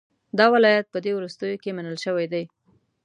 دا ولایت په دې وروستیو کې منل شوی دی.